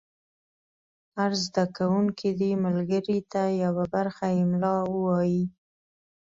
هر زده کوونکی دې ملګري ته یوه برخه املا ووایي.